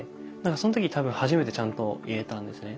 その時多分初めてちゃんと言えたんですね。